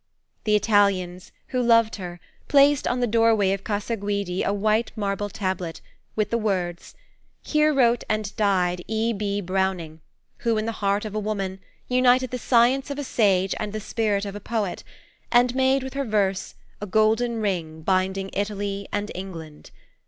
'" The Italians, who loved her, placed on the doorway of Casa Guidi a white marble tablet, with the words: "_Here wrote and died E.B. Browning, who, in the heart of a woman, united the science of a sage and the spirit of a poet, and made with her verse a golden ring binding Italy and England.